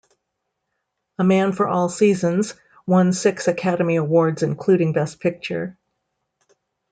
"A Man for All Seasons" won six Academy Awards, including Best Picture.